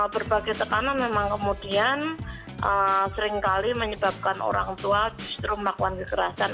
berbagai tekanan memang kemudian seringkali menyebabkan orang tua justru melakukan kekerasan